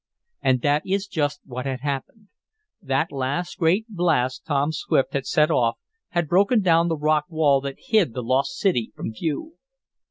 And that is just what had happened. That last great blast Tom Swift had set off had broken down the rock wall that hid the lost city from view.